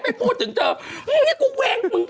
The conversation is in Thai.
เป็นการกระตุ้นการไหลเวียนของเลือด